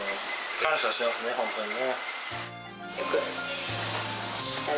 感謝してますね、本当にね。